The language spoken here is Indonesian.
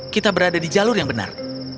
kita berada di jalur yang benar